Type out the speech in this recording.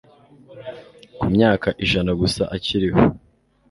ku myaka ijana gusa akiriho